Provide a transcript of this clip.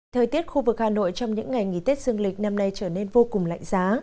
thời tiết khu vực hà nội trong những ngày nghỉ tết dương lịch năm nay trở nên vô cùng lạnh giá